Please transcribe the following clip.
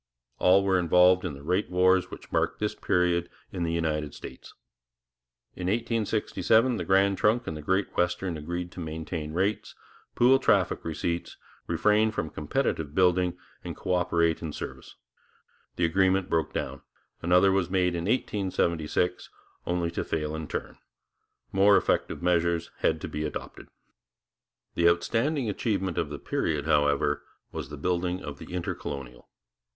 All were involved in the rate wars which marked this period in the United States. In 1867 the Grand Trunk and the Great Western agreed to maintain rates, pool certain traffic receipts, refrain from competitive building, and co operate in service. The agreement broke down; another was made in 1876, only to fail in turn. More effective measures had to be adopted. The outstanding achievement of the period, however, was the building of the Intercolonial.